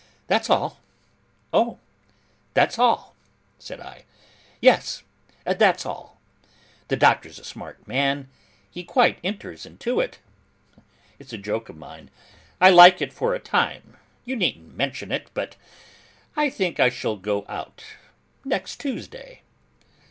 'That's all.' 'Oh! That's all!' said I. 'Yes. That's all. The Doctor's a smart man. He quite enters into it. It's a joke of mine. I like it for a time. You needn't mention it, but I think I shall go out next Tuesday!